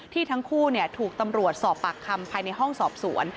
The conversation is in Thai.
ทั้งคู่ถูกตำรวจสอบปากคำภายในห้องสอบสวน